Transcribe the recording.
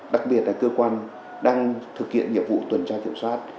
đặc biệt là cơ quan đang thực hiện nhiệm vụ tuần tra kiểm soát